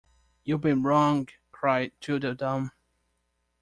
‘You’ve been wrong!’ cried Tweedledum.